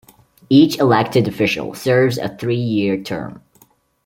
Each elected official serves a three-year term.